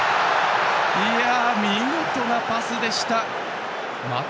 見事なパスでした。